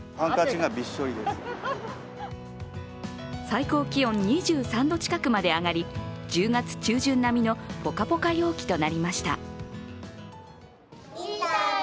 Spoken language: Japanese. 最高気温２３度近くまで上がり１０月中旬並みのポカポカ陽気となりました。